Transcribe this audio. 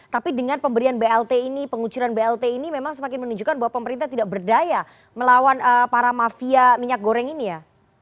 tapi dengan pemberian blt ini pengucuran blt ini memang semakin menunjukkan bahwa pemerintah tidak berdaya melawan para mafia minyak goreng ini ya